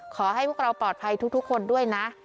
ขอให้พวกเราปลอดภัยทุกคนด้วยนะ